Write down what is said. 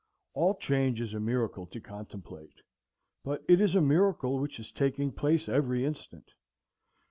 All change is a miracle to contemplate; but it is a miracle which is taking place every instant.